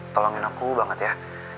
tolongin aku banget ya